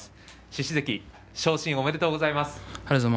獅司関昇進おめでとうございます。